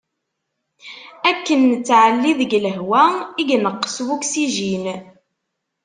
Akken nettɛelli deg lehwa i ineqqes wuksijin.